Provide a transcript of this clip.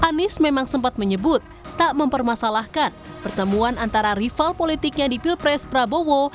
anies memang sempat menyebut tak mempermasalahkan pertemuan antara rival politiknya di pilpres prabowo